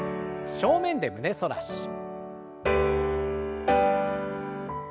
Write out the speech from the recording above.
正面で胸反らし。